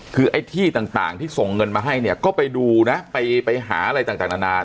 คือไอ้ที่ต่างที่ส่งเงินมาให้เนี่ยก็ไปดูนะไปหาอะไรต่างนานา